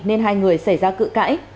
nên hai người xảy ra cự cãi